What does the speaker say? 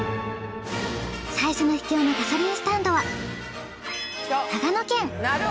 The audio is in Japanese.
最初の秘境のガソリンスタンドは。